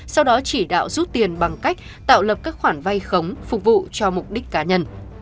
sau đó chỉ đạo rút tiền bằng cách tạo lập các khoản vay khống phục vụ cho mục đích cá nhân